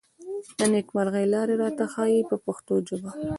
د نېکمرغۍ لارې راته ښيي په پښتو ژبه.